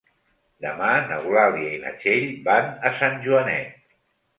Demà n'Eulàlia i na Txell van a Sant Joanet.